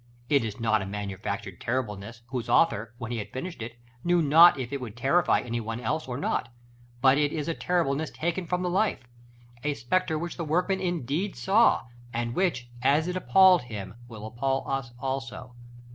It is not a manufactured terribleness, whose author, when he had finished it, knew not if it would terrify any one else or not: but it is a terribleness taken from the life; a spectre which the workman indeed saw, and which, as it appalled him, will appal us also.